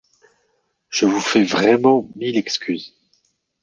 ― Je vous fais vraiment mille excuses.